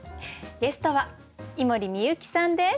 ゲストは井森美幸さんです。